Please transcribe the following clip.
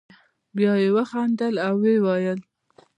بیا یې وخندل او ویې ویل.